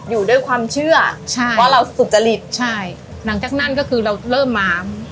อยู่ด้วยความเชื่อใช่เพราะเราสุจริตใช่หลังจากนั้นก็คือเราเริ่มมา